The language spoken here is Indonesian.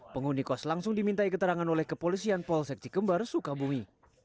penghuni kos langsung dimintai keterangan oleh kepolisian polsek cikembar sukabumi